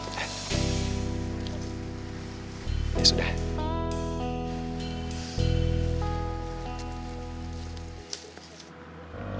eh ya sudah